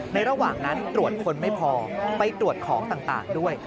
ระหว่างนั้นตรวจคนไม่พอไปตรวจของต่างด้วย